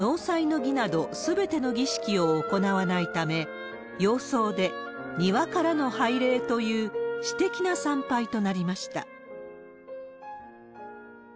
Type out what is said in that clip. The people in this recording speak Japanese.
眞子さまの結婚は、一般の結納に当たる納采の儀など、すべての儀式を行わないため、洋装で庭からの拝礼という、私的な参拝となりました。